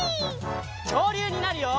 きょうりゅうになるよ！